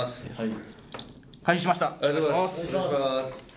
ありがとうございます。